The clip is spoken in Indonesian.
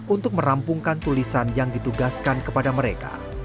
untuk merampungkan tulisan yang ditugaskan kepada mereka